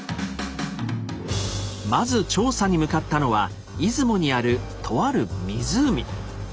まず調査に向かったのは出雲にあるとある湖。